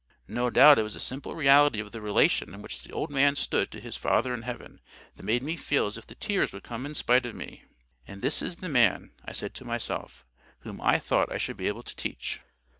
No doubt it was the simple reality of the relation in which the old man stood to his Father in heaven that made me feel as if the tears would come in spite of me. "And this is the man," I said to myself, "whom I thought I should be able to teach!